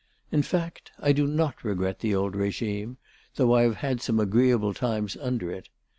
In fact, I do not regret the old régime, though I have had some agreeable times under it.